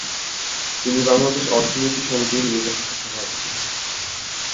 তিনি বাংলাদেশ অর্থনীতি সমিতির নির্বাচিত সভাপতি।